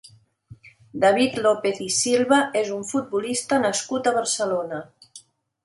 David López i Silva és un futbolista nascut a Barcelona.